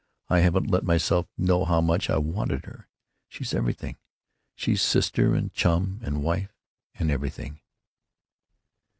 I haven't let myself know how much I wanted her. She's everything. She's sister and chum and wife and everything."